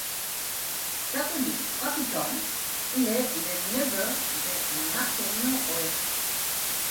Catholique pratiquant, il est le neveu de Marcelino Oreja.